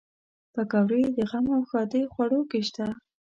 پکورې د غم او ښادۍ خوړو کې شته